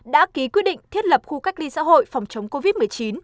đã ký quyết định thiết lập khu cách ly xã hội phòng chống covid một mươi chín